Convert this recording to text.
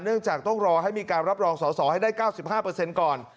จากต้องรอให้มีการรับรองสอสอให้ได้๙๕ก่อน